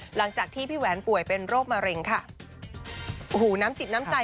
หลังจากที่พี่แหวนป่วยเป็นโรคมะเร็งค่ะโอ้โหน้ำจิตน้ำใจ